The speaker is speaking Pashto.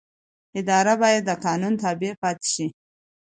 اداره باید د قانون تابع پاتې شي.